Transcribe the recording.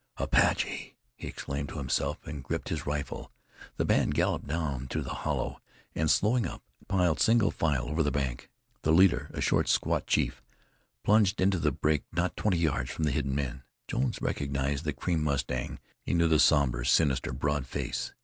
"Apache!" he exclaimed to himself, and gripped his rifle. The band galloped down to the hollow, and slowing up, piled single file over the bank. The leader, a short, squat chief, plunged into the brake not twenty yards from the hidden men. Jones recognized the cream mustang; he knew the somber, sinister, broad face.